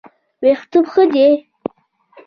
ویښتوب ښه دی.